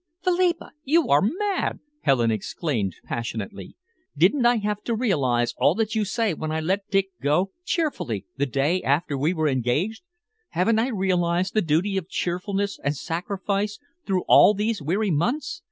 "Philippa, you are mad!" Helen exclaimed passionately. "Didn't I have to realise all that you say when I let Dick go, cheerfully, the day after we were engaged? Haven't I realised the duty of cheerfulness and sacrifice through all these weary months?